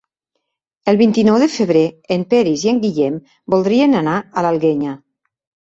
El vint-i-nou de febrer en Peris i en Guillem voldrien anar a l'Alguenya.